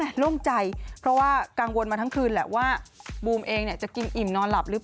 มันต้องพกเป็นของส่วนตัวอาจจะหาย